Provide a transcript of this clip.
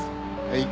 はい。